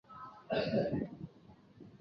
他最著名的作品是情景喜剧少女设计师。